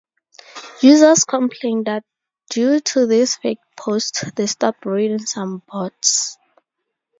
Users complained that due to these faked posts, they stopped reading some boards.